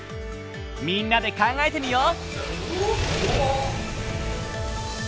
みんなで考えてみよう！